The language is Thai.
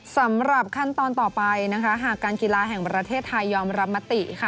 สำหรับขั้นตอนต่อไปนะคะหากการกีฬาแห่งประเทศไทยยอมรับมติค่ะ